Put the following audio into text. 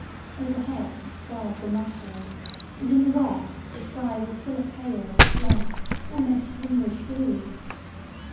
Overhead the stars were mustering, and in the west the sky was still a pale, bright, almost greenish blue.